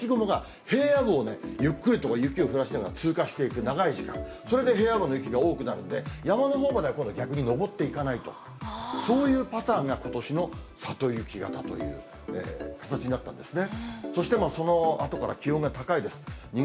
そうすると、雪雲が平野部をね、ゆっくりと雪を降らしながら通過していく、長い時間、それで平野部の雪が多くなるんで、山のほうまでは今度逆に上っていかないと、そういうパターンが、里雪型という形になったんですね。